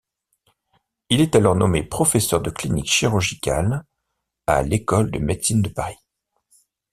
Il est alors nommé professeur de clinique chirurgicale à l’École de Médecine de Paris.